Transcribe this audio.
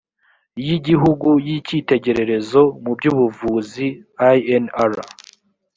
y igihugu y icyitegererezo mu by ubuvuzi lnr